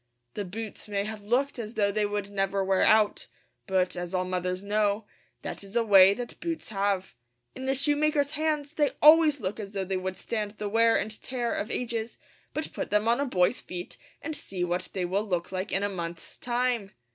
The boots may have looked as though they would never wear out; but, as all mothers know, that is a way that boots have. In the shoemaker's hands they always look as though they would stand the wear and tear of ages; but put them on a boy's feet and see what they will look like in a month's time!